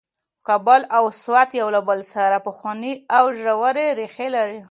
کابل او سوات یو له بل سره پخوانۍ او ژورې ریښې لري.